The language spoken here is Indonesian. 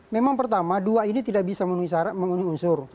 memang pertama dua ini tidak bisa mengunus unsur